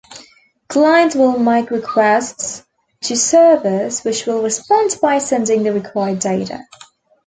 Clients will make requests to servers, which will respond by sending the required data.